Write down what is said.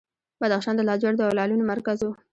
بدخشان د لاجوردو او لعلونو مرکز و